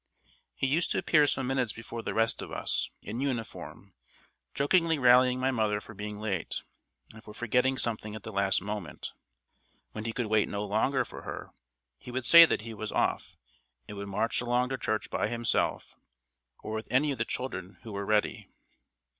He used to appear some minutes before the rest of us, in uniform, jokingly rallying my mother for being late, and for forgetting something at the last moment. When he could wait no longer for her, he would say that he was off, and would march along to church by himself or with any of the children who were ready.